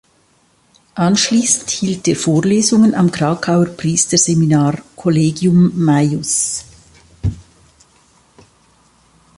Anschließend hielt er Vorlesungen am Krakauer Priesterseminar "Collegium majus".